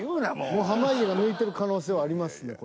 もう濱家が抜いてる可能性はありますねこれ。